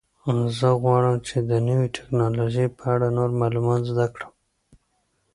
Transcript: زه غواړم چې د نوې تکنالوژۍ په اړه نور معلومات زده کړم.